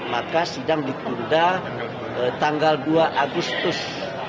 maka sidang ditunda tanggal dua agustus